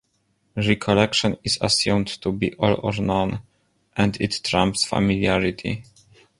Recollection is assumed to be all-or-none, and it trumps familiarity.